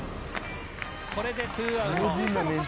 これでツーアウト。